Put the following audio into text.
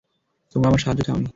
তোমরা আমার সাহায্য চাওনি।